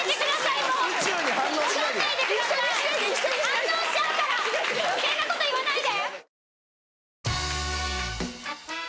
反応しちゃうから余計なこと言わないで！